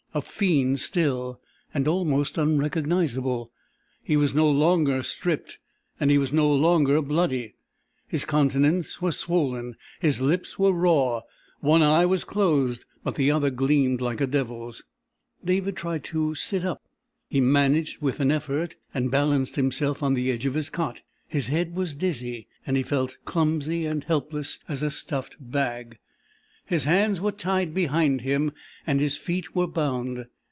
A fiend still. And almost unrecognizable. He was no longer stripped, and he was no longer bloody. His countenance was swollen; his lips were raw, one eye was closed but the other gleamed like a devil's. David tried to sit up. He managed with an effort, and balanced himself on the edge of his cot. His head was dizzy, and he felt clumsy and helpless as a stuffed bag. His hands were tied behind him, and his feet were bound.